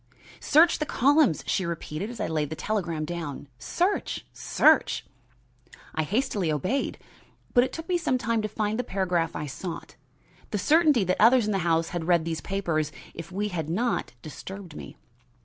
"Search the columns," she repeated, as I laid the telegram down. "Search! Search!" I hastily obeyed. But it took me some time to find the paragraph I sought. The certainty that others in the house had read these papers, if we had not, disturbed me.